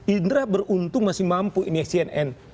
indra beruntung masih mampu ini ya cnn